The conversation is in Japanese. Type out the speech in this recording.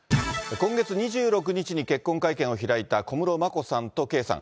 今月２６日に結婚会見を開いた小室眞子さんと圭さん。